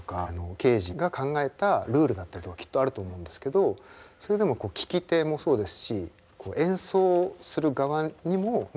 ケージが考えたルールだったりとかきっとあると思うんですけどそれでも聴き手もそうですし演奏する側にも委ねられるものがあるというか。